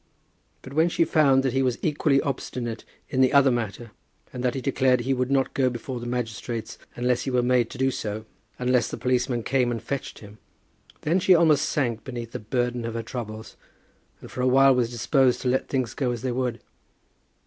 But when she found that he was equally obstinate in the other matter, and that he declared that he would not go before the magistrates unless he were made to do so, unless the policemen came and fetched him, then she almost sank beneath the burden of her troubles, and for a while was disposed to let things go as they would.